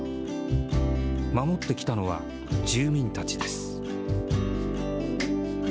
守ってきたのは、住民たちです。